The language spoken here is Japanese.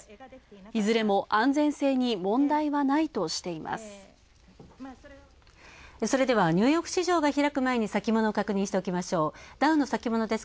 いずれも安全性に問題はないとしています。